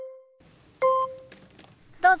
どうぞ。